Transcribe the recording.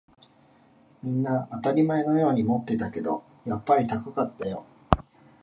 みんな当たり前のように持ってたけど、やっぱり高かったよ